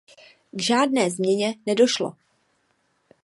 K žádné změně nedošlo.